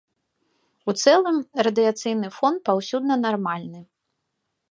У цэлым радыяцыйны фон паўсюдна нармальны.